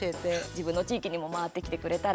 自分の地域にも回ってきてくれたら。